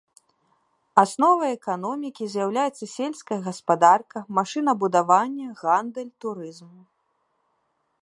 Асновай эканомікі з'яўляецца сельская гаспадарка, машынабудаванне, гандаль, турызм.